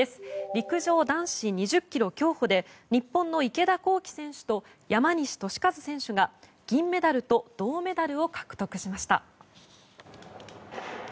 陸上男子２０ｋｍ競歩で日本の池田向希選手と山西利和選手が銀メダルと銅メダルを獲得しました。